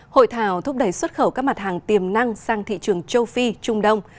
hội thảo thúc đẩy xuất khẩu các mặt hàng tiềm năng sang thị trường châu phi trung đông